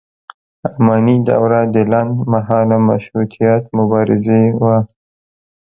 اماني دوره د لنډ مهاله مشروطیت مبارزې وه.